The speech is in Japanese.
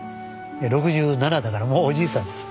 ６７だからもうおじいさんですよ。